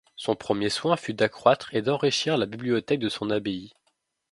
Son premier soin fut d'accroître et d'enrichir la bibliothèque de son abbaye.